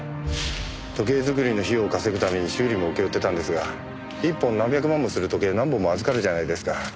時計作りの費用を稼ぐために修理も請け負ってたんですが１本何百万もする時計何本も預かるじゃないですか。